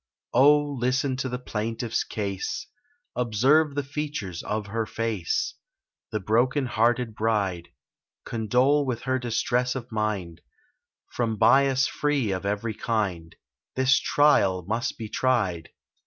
Oh, listen to the plaintiff's case: Observe the features of her face— The broken hearted bride! Condole with her distress of mind— From bias free of every kind, This trial must be tried!